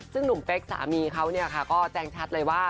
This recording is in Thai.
ซึ่งหนุ่มเป๊กสามีเขาก็แจ้งชัดเลยว่า